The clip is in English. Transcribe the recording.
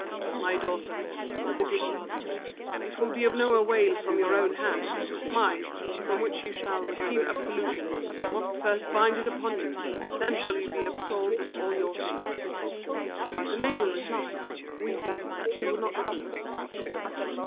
"My daughter," said the good father, "it will be of no avail from your own hand. Mine, from which you shall receive absolution, must first bind it upon you; then shall you be absolved of all your sins." The maiden replied, weeping, that she would not suffer it.